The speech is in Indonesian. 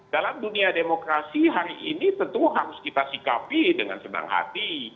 dalam dunia demokrasi hari ini tentu harus kita sikapi dengan senang hati